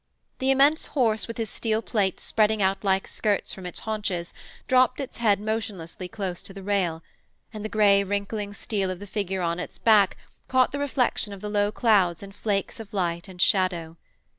The immense horse with his steel plates spreading out like skirts from its haunches dropped its head motionlessly close to the rail, and the grey, wrinkling steel of the figure on its back caught the reflection of the low clouds in flakes of light and shadow.